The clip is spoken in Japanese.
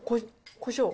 こしょう。